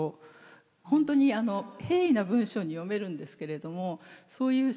本当にあの平易な文章に読めるんですけれどもそういう司馬さん